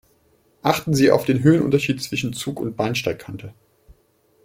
Achten Sie auf den Höhenunterschied zwischen Zug und Bahnsteigkante.